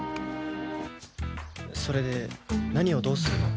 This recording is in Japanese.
それで何をどうするの？